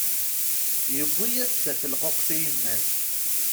Yewwi-yas-d tafelquqt i yemma-s.